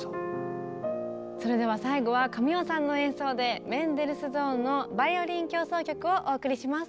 それでは最後は神尾さんの演奏でメンデルスゾーンの「バイオリン協奏曲」をお送りします。